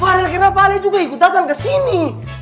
varil kenapa alia juga ikut datang kesini